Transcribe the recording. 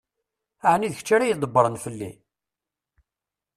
Ɛni d kečč ara ydebbṛen fell-i?